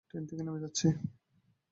Train থেকে নেমে যাচ্ছি।